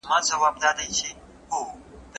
ځینې خلک له خوبه ستړي پاڅي.